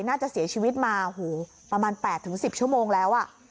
น่าจะเสียชีวิตมาประมาณ๘๑๐ชั่วโมงแล้ว